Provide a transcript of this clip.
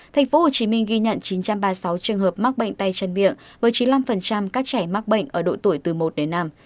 thành phố hồ chí minh ghi nhận chín trăm ba mươi sáu trường hợp mắc bệnh tay chân miệng với chín mươi năm các trẻ mắc bệnh ở độ tuổi từ một đến năm